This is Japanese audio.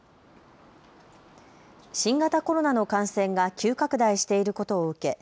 新型コロナの感染が急拡大していることを受け